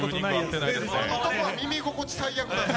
今のところは耳心地、最悪や。